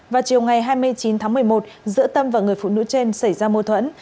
vào chiều ngày hai mươi chín tháng một mươi một giữa tâm và người phụ nữ trên xảy ra mô thuẫn